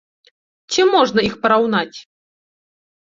Ці можна іх параўнаць?